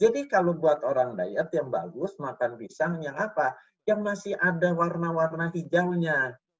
jadi kalau buat orang diet yang bagus makan pisang yang apa yang masih ada warna warna hijaunya